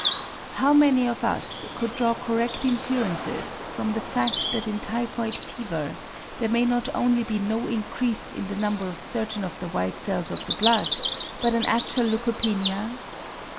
How many of us could draw correct inferences from the fact that in typhoid fever there may not only be no increase in the number of certain of the white cells of the blood, but an actual leukopenia?